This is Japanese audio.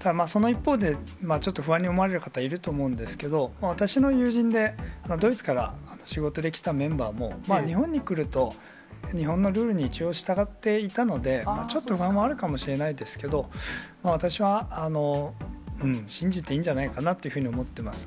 ただまあ、その一方で、ちょっと不安に思われる方、いると思うんですけど、私の友人で、ドイツから仕事で来たメンバーも、日本に来ると、日本のルールに一応従っていたので、ちょっと不安はあるかもしれないですが、私は信じていいんじゃないかなっていうふうに思ってます。